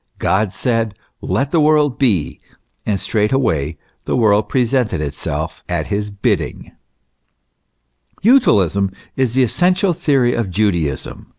God said, Let the world be, and straightway the world presented itself at His bidding, t Utilism is the essential theory of Judaism.